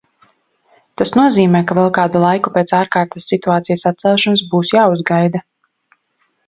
Tas nozīmē, ka vēl kādu laiku pēc Ārkārtas situācijas atcelšanas būs jāuzgaida.